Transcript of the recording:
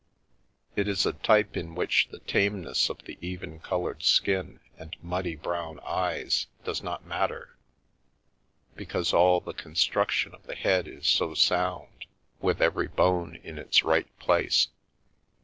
It is a type in* which the tameness of the even coloured skin and muddy brown eyes does not mat ter, because all the construction of the head is so sound, with every bone in its right place.